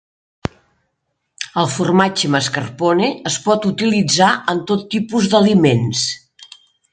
El formatge mascarpone es pot utilitzar en tot tipus d'aliments.